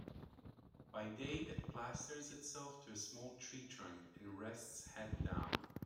By day it plasters itself to a small tree trunk and rests head down.